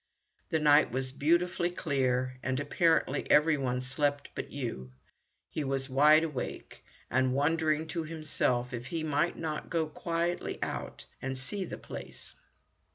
The night was beautifully clear, and apparently every one slept but Yoo. He was wide awake, and wondering to himself if he might not go quietly out and see the place.